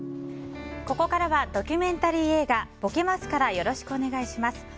ここからはドキュメンタリー映画「ぼけますから、よろしくお願いします。